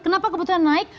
kenapa kebutuhan naik